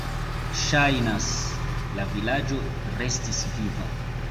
Ŝajnas, la vilaĝo restis viva.